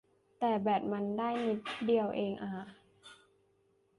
แต่แบตมันได้นิดเดียวเองอ่า